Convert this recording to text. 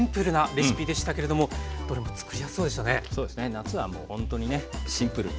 夏はもうほんとにねシンプルに。